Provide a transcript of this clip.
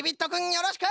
よろしく！